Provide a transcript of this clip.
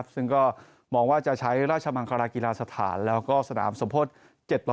ซึ่งก็มองว่าจะใช้ราชมังคลากีฬาสถานแล้วก็สนามสมโพธิ๗๐